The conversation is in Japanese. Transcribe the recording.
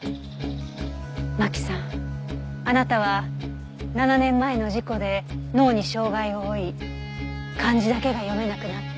牧さんあなたは７年前の事故で脳に障害を負い漢字だけが読めなくなった。